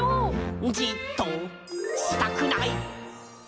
「じっとしたくない！」